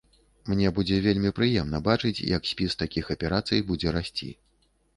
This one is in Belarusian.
Мне будзе вельмі прыемна бачыць, як спіс такіх аперацый будзе расці.